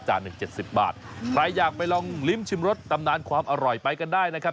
หนึ่งเจ็ดสิบบาทใครอยากไปลองลิ้มชิมรสตำนานความอร่อยไปกันได้นะครับ